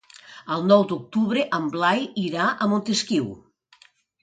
El nou d'octubre en Blai irà a Montesquiu.